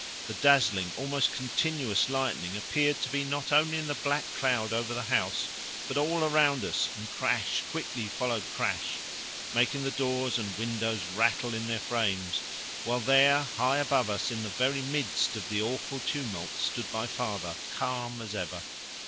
The dazzling, almost continuous lightning appeared to be not only in the black cloud over the house but all round us, and crash quickly followed crash, making the doors and windows rattle in their frames, while there high above us in the very midst of the awful tumult stood my father calm as ever.